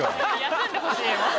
休んでほしいもう。